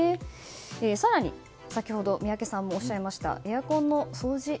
更に先ほど宮家さんもおっしゃいましたエアコンの掃除。